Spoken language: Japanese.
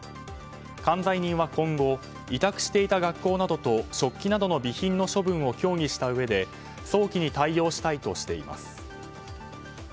管財人は今後委託していた学校などと食器などの備品の処分を協議したうえで早期に対応したいとしています。